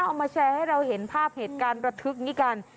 เอามาแชร์ให้เราเห็นภาพเหตุการณ์ระทึกนี้กัน